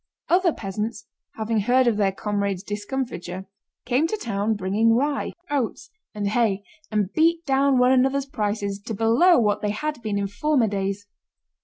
Other peasants, having heard of their comrades' discomfiture, came to town bringing rye, oats, and hay, and beat down one another's prices to below what they had been in former days.